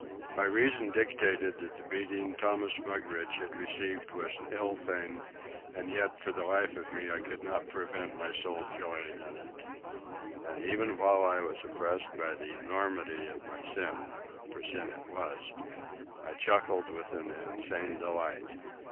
My reason dictated that the beating Thomas Mugridge had received was an ill thing, and yet for the life of me I could not prevent my soul joying in it. And even while I was oppressed by the enormity of my sin,—for sin it was,—I chuckled with an insane delight.